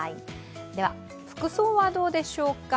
では、服装はどうでしょうか。